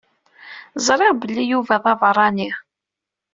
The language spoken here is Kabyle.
Zṛiɣ belli Yuba d aberrani.